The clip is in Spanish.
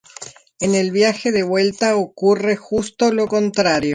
En el viaje de vuelta ocurre justo lo contrario.